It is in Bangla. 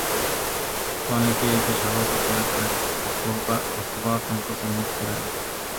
অনেকেই একে স্বাভাবিক বলে ধরে নেন, অথবা সংকোচে মুখ খোলেন না।